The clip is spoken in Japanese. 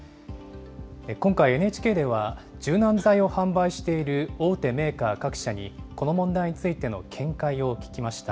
今回、ＮＨＫでは柔軟剤を販売している大手メーカー各社に、この問題についての見解を聞きました。